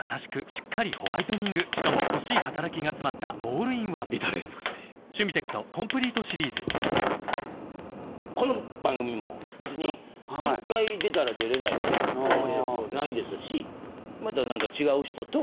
しっかりホワイトニングしかも欲しい働きがつまったオールインワン至れり尽せりこの番組も別に１回出たら出れないわけでもないですしまた何か違う人と。